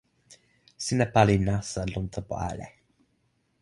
sina pali nasa lon tenpo ale.